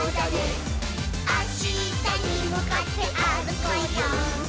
「あしたにむかってあるこうよ」